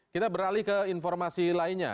kita beralih ke informasi lainnya